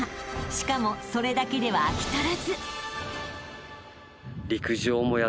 ［しかもそれだけでは飽き足らず］